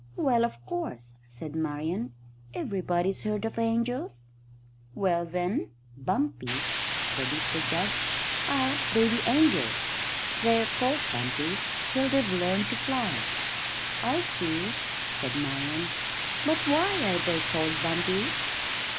"Well, of course," said Marian. "Everybody's heard of angels." "Well then, bumpies," said Mr Jugg, "are baby angels. They're called bumpies till they've learned to fly." "I see," said Marian, "but why are they called bumpies?"